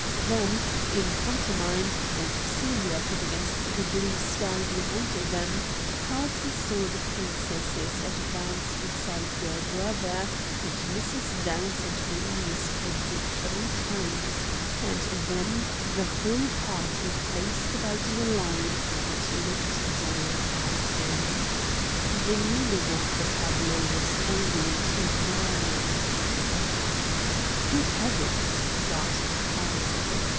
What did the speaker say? Then, in pantomime, and silhouetted against the blue sky behind them, Carlton saw the Princesses advance beside their brother, and Mrs. Downs and her niece courtesied three times, and then the whole party faced about in a line and looked down at him. The meaning of the tableau was only too plain. "Good heavens!" gasped Carlton.